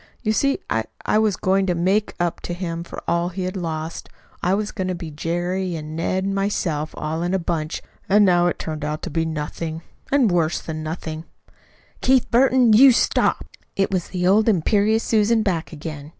You see, I I was going to make up to him for all he had lost. I was going to be Jerry and Ned and myself, all in a bunch. And now to turn out to be nothing and worse than nothing " "Keith Burton, you stop!" It was the old imperious Susan back again.